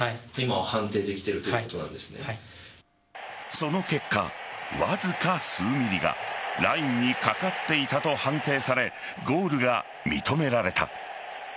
その結果、わずか数ｍｍがラインにかかっていたと判定されゴールが認められた。